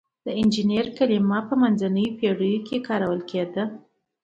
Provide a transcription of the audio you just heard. د انجینر کلمه په منځنیو پیړیو کې کارول کیده.